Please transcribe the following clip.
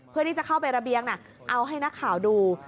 เพื่อที่จะเข้าไประเบียงเอาให้นักข่าวดู